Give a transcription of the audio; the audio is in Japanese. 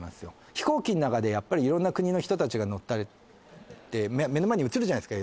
飛行機の中でやっぱりいろんな国の人達が乗ったり目の前に映るじゃないですか